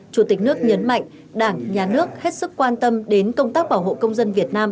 chủ tịch nước nhấn mạnh đảng nhà nước hết sức quan tâm đến công tác bảo hộ công dân việt nam